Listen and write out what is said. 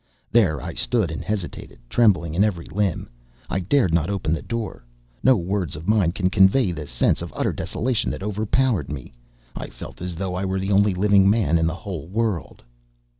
There I stood and hesitated, trembling in every limb; I dared not open the door. No words of mine can convey the sense of utter desolation that overpowered me. I felt as though I were the only living man in the whole world.